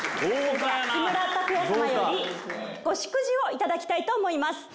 木村拓哉様よりご祝辞をいただきたいと思います